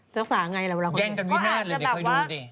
เจ้าหน้าที่รักษาไงละวันนี้